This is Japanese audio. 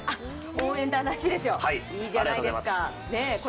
応援団らしいですよ、いいじゃないですか。